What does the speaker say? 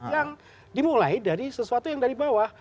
yang dimulai dari sesuatu yang dari bawah